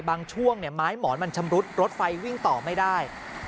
ช่วงไม้หมอนมันชำรุดรถไฟวิ่งต่อไม่ได้